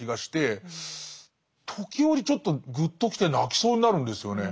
その理屈で言うと時折ちょっとぐっときて泣きそうになるんですよね。